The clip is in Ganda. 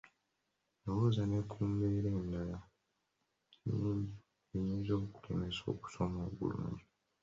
Lowooza ne ku mbeera endala nnyingi eziyinza okulemesa okusoma obulungi.